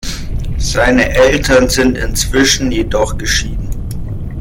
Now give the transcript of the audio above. Seine Eltern sind inzwischen jedoch geschieden.